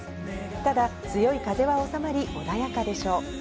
ただ、強い風は収まり、穏やかでしょう。